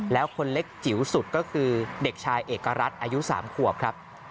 แล้วคนเล็กจิ๋วสุดก็คือเด็กชายเอกรัฐอายุ๓ขวบครับ